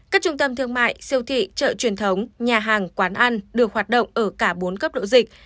các trung tâm thương mại siêu thị chợ truyền thống nhà hàng quán ăn được hoạt động ở cả bốn cấp độ dịch